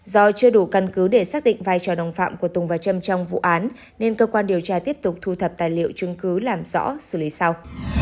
do chưa đủ căn cứ để xác định vai trò đồng phạm của tùng và trâm trong vụ án nên cơ quan điều tra tiếp tục thu thập tài liệu chứng cứ làm rõ xử lý sau